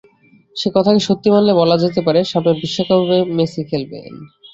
সে কথাকে সত্যি মানলে বলা যেতে পারে, সামনের বিশ্বকাপেও মেসি খেলবেন।